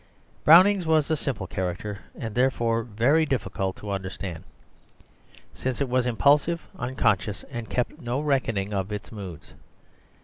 Browning's was a simple character, and therefore very difficult to understand, since it was impulsive, unconscious, and kept no reckoning of its moods.